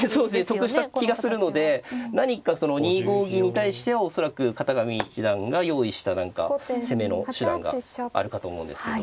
得した気がするので何か２五銀に対しては恐らく片上七段が用意した何か攻めの手段があるかと思うんですけども。